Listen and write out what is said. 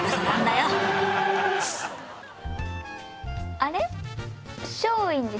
あれ？